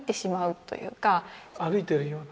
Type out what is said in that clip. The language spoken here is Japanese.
歩いているような。